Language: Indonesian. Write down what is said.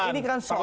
ini kan soal